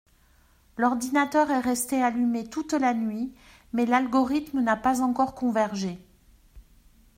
L’ordinateur est resté allumé toute la nuit mais l’algorithme n’a pas encore convergé.